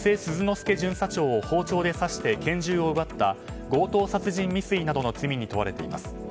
佑巡査長を包丁で刺して拳銃を奪った強盗殺人未遂などの罪に問われています。